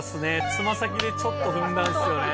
つま先でちょっと踏んだんですよね。